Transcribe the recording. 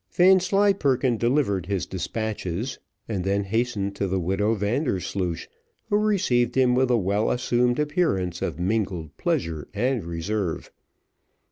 Vanslyperken delivered his despatches, and then hastened to the widow Vandersloosh, who received him with a well assumed appearance of mingled pleasure and reserve.